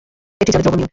এটি জলে দ্রবণীয়।